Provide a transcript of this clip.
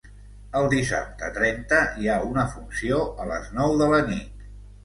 El dissabte, trenta, hi ha una funció a les nou de la nit.